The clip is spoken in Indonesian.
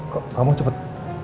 kok kamu cepet